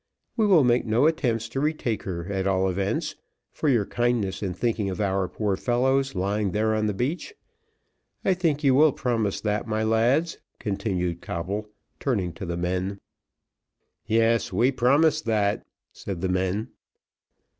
We will make no attempts to retake her, at all events, for your kindness in thinking of our poor fellows lying there on the beach. I think you will promise that, my lads," continued Coble, turning to the men. "Yes, we promise that," said the men.